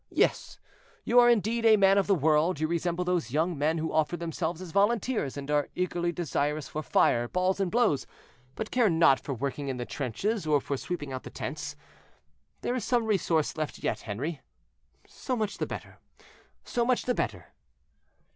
Yes, you are, indeed, a man of the world; you resemble those young men who offer themselves as volunteers, and are eagerly desirous for fire, balls, and blows, but care not for working in the trenches, or for sweeping out the tents. There is some resource left yet, Henri; so much the better, so much the better."